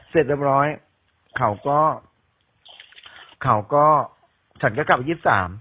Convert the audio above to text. เสร็จเรียบร้อยเขาก็เขาก็ฉันก็กลับยี่สิบสาม